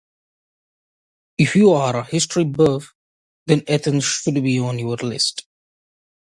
If you are a history buff, then Athens should be on your list.